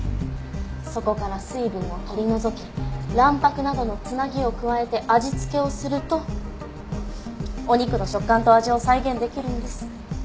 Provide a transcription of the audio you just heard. そこから水分を取り除き卵白などの繋ぎを加えて味付けをするとお肉の食感と味を再現できるんです。